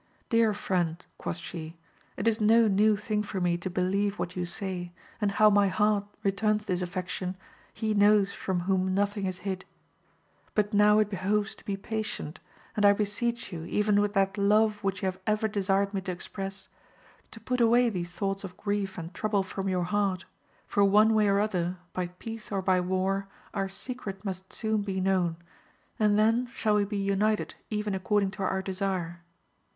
Dear friend, quoth she, it is no new thing for me to believe what you say, and how my heart returns this affection he knows from whom no thing is hid. But now it behoves to be patient, and I beseech you even with that love which you have ever desired me to express, to put away these thoughts of ^ef and trouble from your heart for one way or other, by peace or by war, our secret must soon be known, and then shall we be united even according to our desire.